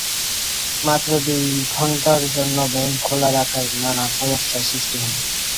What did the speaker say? মাত্র দুই ঘণ্টার জন্য ব্যাংক খোলা রাখায় নানা সমস্যার সৃষ্টি হয়।